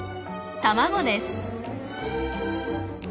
卵です。